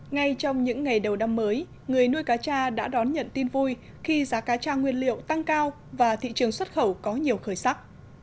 ngay trong những ngày đầu năm mới người nuôi cá cha đã đón nhận tin vui khi giá cá cha nguyên liệu tăng cao và thị trường xuất khẩu có nhiều khởi sắc